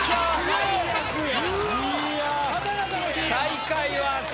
最悪や。